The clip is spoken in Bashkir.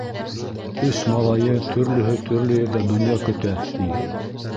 Өс малайы төрлөһө төрлө ерҙә донъя көтә, ти.